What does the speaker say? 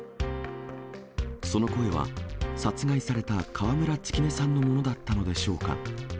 その声は殺害された川村月音さんのものだったのでしょうか。